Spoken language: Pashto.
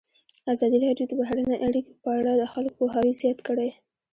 ازادي راډیو د بهرنۍ اړیکې په اړه د خلکو پوهاوی زیات کړی.